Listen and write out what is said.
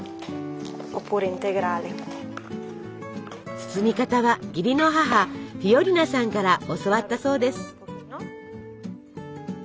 包み方は義理の母フィオリナさんから教わったそうです。